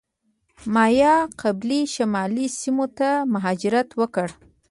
مایا قبیلې شمالي سیمو ته مهاجرت وکړ.